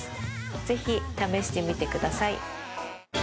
ぜひ試してみてください。